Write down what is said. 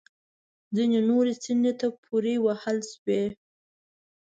ځینې نورې څنډې ته پورې وهل شوې